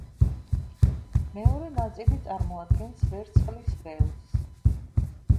მეორე ნაწილი წარმოადგენს ვერცხლის ველს.